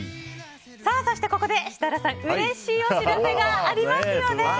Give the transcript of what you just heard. そして、ここで設楽さん、うれしいお知らせがありますよね。